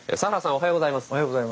おはようございます。